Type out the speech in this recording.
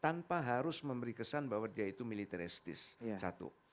tanpa harus memberi kesan bahwa dia itu militeristis satu